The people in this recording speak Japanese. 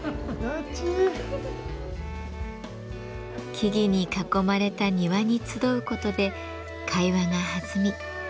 木々に囲まれた庭に集うことで会話が弾みより人と近くなれる。